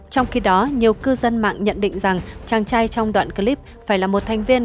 trong khi đó nhiều cư dân mạng nhận định rằng chàng trai trong đoạn clip phải là một thành viên